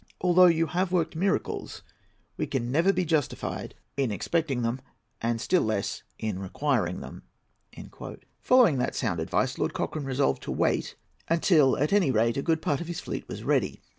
Although you have worked miracles, we can never be justified in expecting them, and still less in requiring them." Following that sound advice, Lord Cochrane resolved to wait until, at any rate, a good part of his fleet was ready.